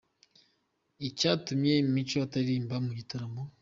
Icyatumye Mico ataririmba mu gitaramo